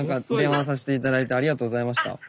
電話させて頂いてありがとうございました。